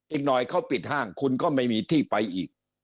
อีกหน่อยเขาปิดห้างคุณก็ไม่มีที่ไปอีก